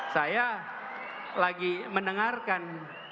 saya lagi mendengarkan